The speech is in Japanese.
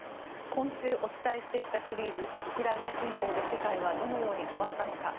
今週お伝えしてきたシリーズウクライナ侵攻で世界はどう変わったのか？